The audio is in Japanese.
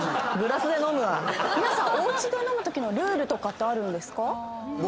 皆さんおうちで飲むときのルールとかってあるんですか？